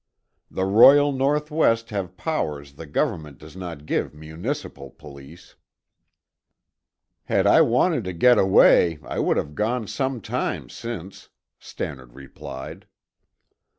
The Royal North West have powers the Government does not give municipal police." "Had I wanted to get away, I would have gone some time since," Stannard replied.